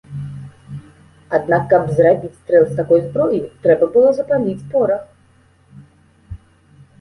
Аднак каб зрабіць стрэл з такой зброі, трэба было запаліць порах.